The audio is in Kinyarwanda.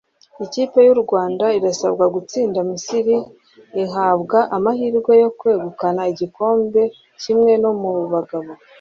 Ikipe y’u Rwanda irasabwa gutsinda Misiri ihabwa amahirwe yo kwegukana igikombe (kimwe no mu bagabo)